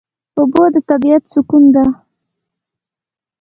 اوبه د طبیعت سکون ده.